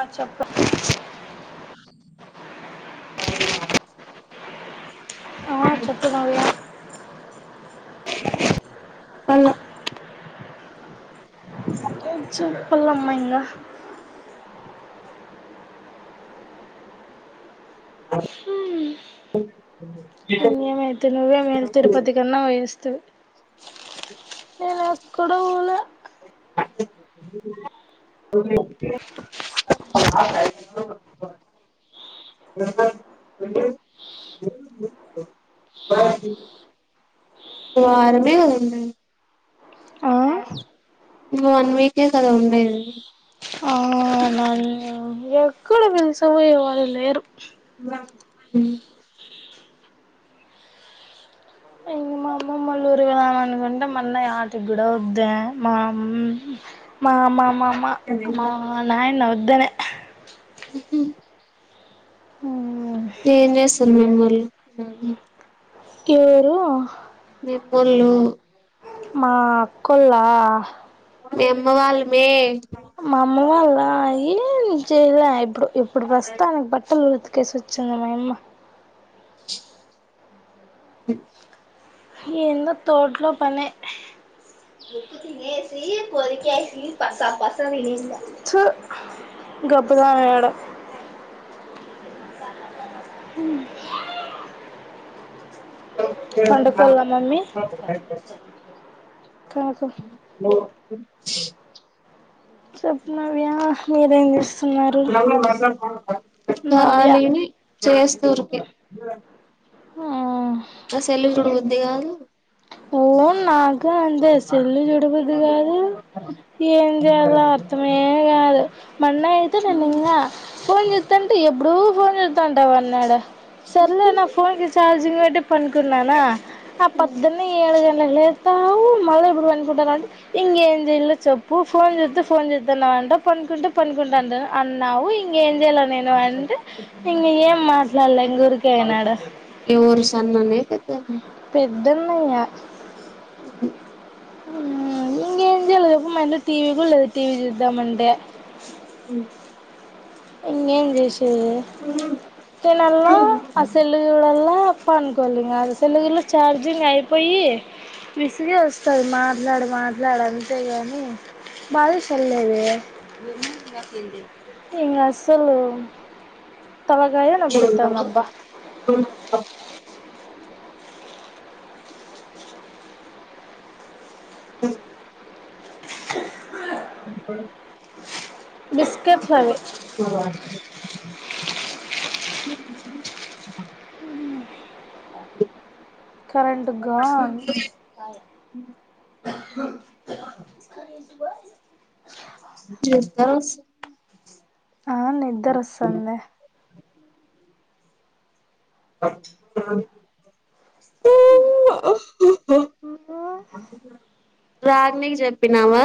ఆ చెప్పు [unintelligible] ఆ చెప్పు మళ్ళ అల చూప్పల్లమ్మయింగా హం [inaudible] ఏమైతే నువ్వే మేలు తిరుపతి కన్నా పోయివస్తవు నేను ఎక్కడ పోలే [inaudible] [unintelligible] అ వారమే అయింది ఆ వన్ వీకే కదా ఉండేది. కూడబలి సవయ వాళ్ళు లేరు బ హ్మ్ ఇంగ మా అమ్మమ్మాళ్ళ ఊరుపోదామనుకుంటే మా అన్నయ్య ఆపి ఇప్పుడు వద్దా మామ్ మా మమా మ మా నాయన వద్ [unintelligible] హ్మ్ మ్మ్ ఏం చేస్తరు మీ అమ్మోళ్ళు కేరు నిప్పు లు మా అక్కోల్లా మీ అమ్మ వాళ్ళమే మాఅమ్మ వాళ్ళ ఆయి చేయలా ఎప్పుడు ఇప్పుడు ప్రస్తుతానికి బట్ మొత్తం ఉతికేసి వచ్చింది మాఅమ్మ ఇ ఏందో తోట్లో పనే థు గబ్బు దాన ఏడో చ హ్మ్ ఆ మమ్మీ కనుకో [unintelligible] హ చెప్ మావయ్య మీరేం చేసార్ నవ్య ఖాాలీని చేస్తూరికి ఆ అసలు చూడబుద్ది కాదు ఫోన్ నాకు అంతే సెల్లు చూడబుద్ది కాదు ఏం చేయాలో అర్థమే కాదు మొన్న అయితే నేను ఇంగా ఫోన్ చూత్తంటే ఎప్పుడూ పోరిల్ ంటన్నాడ సర్లే నా ఫోన్ కి చార్జింగ్ పెట్టీ పనుకున్నానా లేస్తావు మళ్ళా ఇప్పుడు పనుకుంటాంటే ఇంకేం చేలో చెప్పు ఫోన్ చేస్త ఫోన్ చేస్తాన్నాంట పనుకుంటే పనుకుంటాంట అన్నావు ఇంకేం చేయాల నేను అంటే ఇంగ ఏం మాట్లాడలే ఇంగ ఊరికే అయినాడు ఎవరు [unintelligible] పెద్దన్నయ్య అఓ జలేదు [unintelligible] మా టీవీ కూడా లేదు టీవీ చూద్దామంటే మ్మ్ ఇగా ఏం చేసి [unintelligible] తేనల [unintelligible] [unintelligible] అనుకోవాలి కాద [unintelligible] ఛార్జింగ్ అయిపోయి విసుగేస్తాది మాట్లాడి మాట్లాడు అంతేగాని బాగా చల్లేదు అ తలకాయ నిపుడతందబా అ అ ప్పుడు ష బిస్కెట్ అవి [unintelligible] కరంట్ గన్ [unintelligible] ఆ నిద్దర వస్తుంద [unintelligible] అలో రాగిణికి చెప్పినావా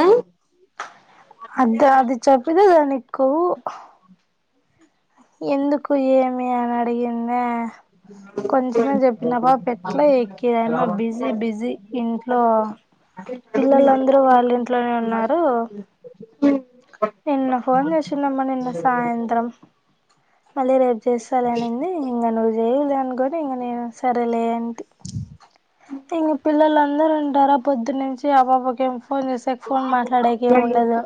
అది అది చప్పతేదాని కు ఎందుకు ఏమి అని అడిగిందా కొంచమే చెప్పినప్ప పెట్లా [unintelligible] బిజీ బిజీ ఇంట్లో పిల్లలుందరూ వాళ్ళ ఇంట్లోనే ఉన్నారు నిన్న ఫోన్ చేసినమ్మా నిన్న సాయంత్రం మళ్ళీ రేపు చేసాలే అనింది ఇంకా నువ [unintelligible] అంటే ఇంకా నేను సరేలే అంటి ఇంగ పిల్లల అందరూంటర పొద్దు నుంచి ఆ పాపాకే ఫోన్ చేసాక ఫోన్ మాట్లాడకి ఏమి ఉండదు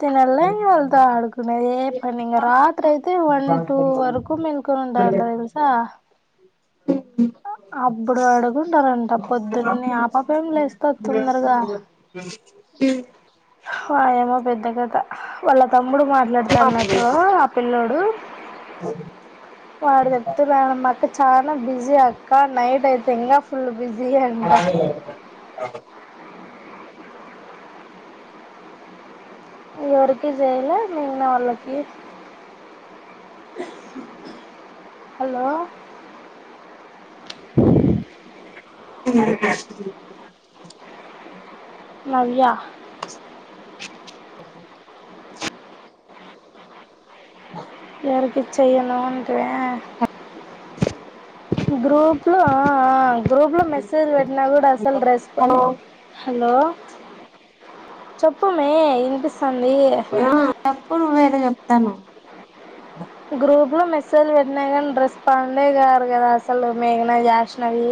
తినాలి ఇగ వాళ్ళతో ఆడుకునేది ఏ పని రాత్రి అయితే వన్ టూ వరకు మెల్కొని ఉంటంట తెలుసా అప్పుడు అడుగుంటారంట పొద్దునే ఆ పాప ఏమి లేస్తంది తొందరగా ఆహా [unintelligible] అంతే గదా వాళ్లకు తమ్ముడు మాట్లాడుతాడు నాతో ఆ పిల్ల్లోడు వాడు చెప్తూనాడు మా అక్క చాల బిజీ ఆ ఇంకా నైట్ అయితే ఇంకా ఫుల్ బిజీ అంట అ [unintelligible] ఎవరికి చేయలే మీ అన్నవాళ్ళకి హలో [inaudible] నవ్య ఎవరికి చెయను అంటివే గ్రూప్లో ఆ గ్రూప్లో మెసేజ్ పెట్టినా కూడా అసలు రెస్పాండ్ హలో చెప్పం మే ఇంటి ఆ తప్పుడు నువ్వేదో చెప్తానావ్ గ్రూప్ లో మెసేజ్లు పెట్టినాయి కానీ రెస్పాండే కారు కదా అసలు మేఘన జాష్నవి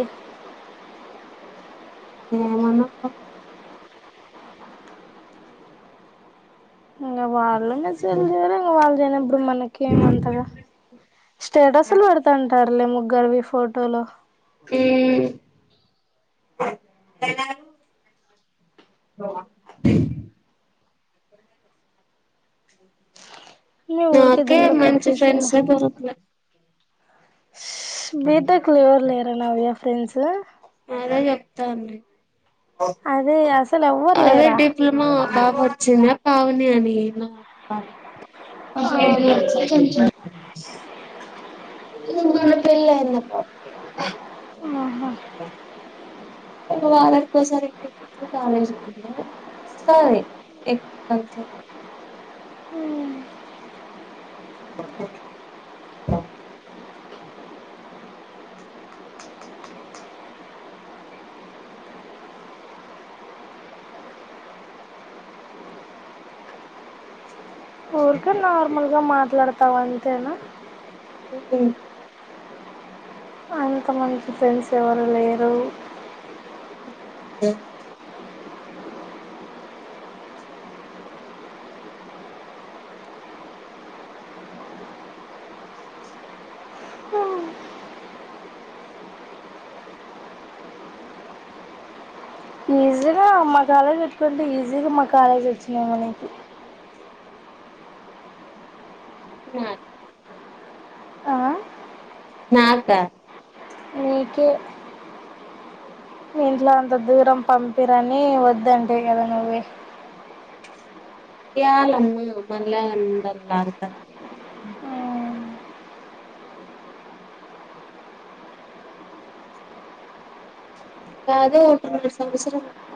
ఏ మనా ఇంగా వాళ్ళన్న సెల్ చేయలే వాళ్ళు చేయలేద ఇప్పుడు మనకేం అంతగా స్టేటస్లు పెడుతంటారు లే ముగ్గు గర్వి ఫోటోలో ఊ మీ ఊరికే నాకే దీంట్లో కట్ మంచి చేసి ఫ్రెండ్సే దొరకలే బీటెక్లో ఎవరు లేరా నవ్య ఫ్రెండ్స్ తండ్రి అదే అసలు ఎవ్వర్ లేరా బావచ్చిందా పావని అని ఆ, [inaudible] ఈ ఊళ్లో పెళ్లైన పొట్టె ఆహ వాళ్ళచ్చే సరికి మంచి కాలేజీ కింద సరే ఎక్కువై స ఊ ఊరికె నార్మల్గ మాట్లాడతావ్ అంతేనా అంత మంచి ఫ్రెండ్స్ ఎవరు లేరూ [unintelligible] ఆ మా కాలేజ్ పెట్టుకుంటే ఈజీగా మా కాలేజ్ వచ్చినామెకి నా ఆ? నాగ్టా మీకె మీ ఇంట్లో అంత దూరం పంపిరనీ, వద్దంటివి గద నువ్వె. యాలమ్మ మళ్ళా అందరు రాదు ఓకటున్నర సంవత్సరం ఉంటె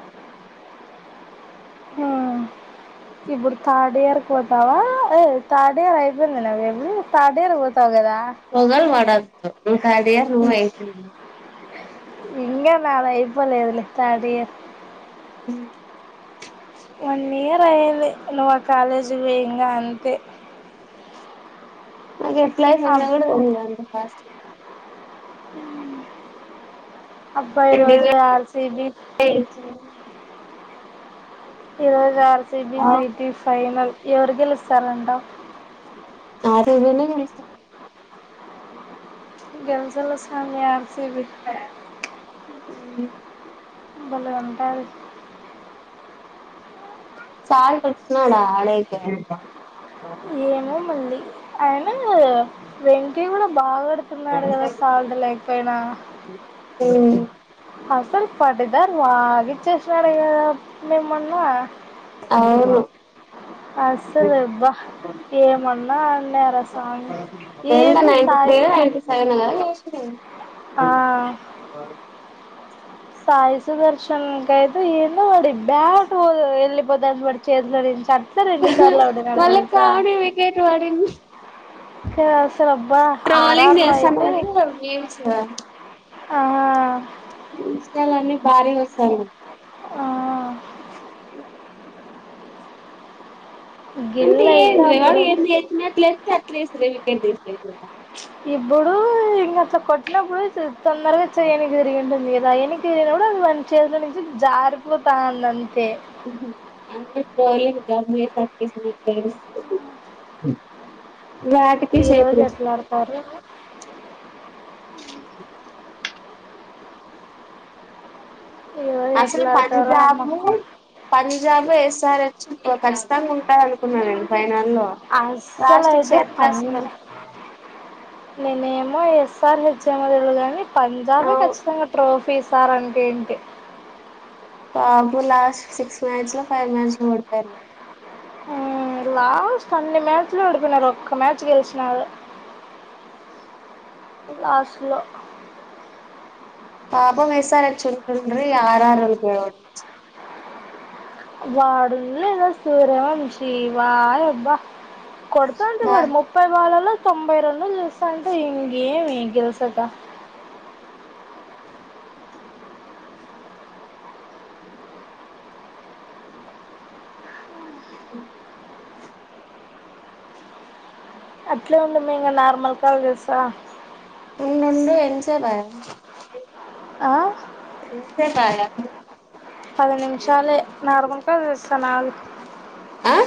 ఇపుడు థాడ్ ఇయర్. పోతావా ఏ? తాడ్ డే అయిపోయిందినవ్ ఇప్పుడు థాడ్ ఇయర్ పోతవు గదా! పొంగల్ వడ సద్ది తడే రూమ్ అయితుంది. ఇంకా నాది అయిపోలేదులే థర్డ్ ఇయర్. ఊఁ వన్ ఇయర్ అయ్యేది, నువ్వు ఆ కాలేజికి బొయి ఇంగ అంతె! అది ఎట్లై అబ్ ఉన్నదో ఉందండి. పాస్టుంది. అబ్బాయి రోజు ఆర్ సి బి ఇరవై జాల్ C B G T final. ఎవరు గెలుస్తారంట. అటు వీల్లె గెలుస్తారంట. గెల్చాల సామి ఆర్ సి బి ఉ ఊమ్. భలె! ఉంటారు. చాల్ తెచ్చినాడు. ఆడైతే ఇంక ఏమో! మల్లి అయినా ఓ! వెంకి గుడెం. బాగా కొడుతున్నాడు కదా సాల్ట్ లేకపోయినా ఆ అసల్ ఫదే ద వాగి చేేషినడ మేంమొన్న అవు అస్సలేబ్బా ఏమన్నా అన్నారా సామి ఎంత ఏమి ninety three Sai ninety seven కదా చేసింది ఆ సాయి సు దర్శన్ గైతే ఏందో వాడి బ్యాట్ ఎల్లిపోతంది వాడి చేతిలో నుంచి అట్లా రెండు సార్లు ఆడినాడు వాళ్ళకి తెలుసా ఆడే వికెట్ పడింది ఇంకా అసలు అబ్బా ట్రోలింగ్ ఆర్ఆర్లో అయితే చేస్తానరు మీమ్స్ ఆ ఇంస్టా లో అన్ని భారీగోస్తానాయ్ ఆ అంటే గిల్ అయితే ఏంది వే వాడు అప్పుడు ఎత్ ఎత్తినట్లే ఎత్తే అట్లేస్త వికెట్ తీస్ లేదు ఇబ్బుడూ ఇంక అట్లా కొట్నప్పుడు చూ తొందరగా చెయ ఎనికి తిరిగింటుంది దయనికి ఇరిగినపుడు అది వాని చేతిల నుంచి జారిపోతాందన్ అంటే కోహ్లీ [unintelligible] ఫ్రెండ్స్ ఈ రోజు ఎట్లాడతారో ఏమో అంతే తొలియ్యూ ఈరోజు అసలు ఎట్లా ఆడతారో నమ్మ పంజాబు పంజాబ్ ఎస్ఆర్ఎ ఖచ్చితంగా ఉంటారు అనుకున్నారండి ఫైనా నల్లో అస్సలు లాస్ట్ కి అయితే పంజ [unintelligible] నేనేమో ఎస్ ఆర్ ఎచ్ ఏమో తెలీదు కానీ పంజాబే ఖచ్చితంగా ట్రో పీసారంటేంటి పాప్ము లాస్ట్ సిక్స్ మ్యాచ్ లో ఫైవ్ మ్యాచ్ లో ఓడిపోయరు ఊ లాస్ట్ అన్ని మ్యాచ్లు ఆడిపోయినారు ఒక్క మ్యాచ్ గెలిచినారు లాస్ట్ లో పాపం ఎస్ ఆర్ ఎచ్ ఓడిపోయిండ్రి ఆరు ఆరు కే ఓడిచ్ వాడుండ్లేద సూర్య వంశి వాయబ్బ కొడతంటే వాడు ముప్పై బాలల్లో తొంభైరెండు చేస్సంటే ఇంగేమి గెల్సక అ అట్లే ఉండు మే ఇంగ నార్మల్ కాల్ చేస్తా ఉండుండు ఎంసేపాయ ఆ ఎంసేపాయ పది నిమిషాలే నార్మల్ కాల్ చెస్తాను ఆగు ఆ